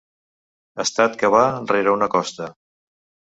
Estat que va rere una Costa.